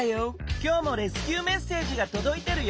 今日もレスキューメッセージがとどいてるよ。